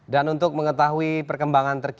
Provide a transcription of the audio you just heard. dan untuk mengetahui perkembangan tersebut